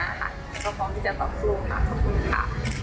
ก็พร้อมที่จะต่อสู้ค่ะขอบคุณค่ะ